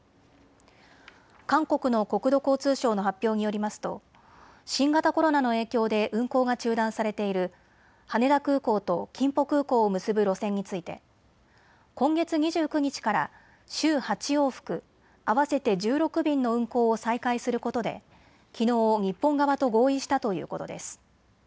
韓国の国土交通省の発表によりますと新型コロナの影響で運航が中断されている羽田空港とキンポ空港を結ぶ路線について今月２９日から週８往復、合わせて１６便の運航を再開することできのう日本側と合意したということです。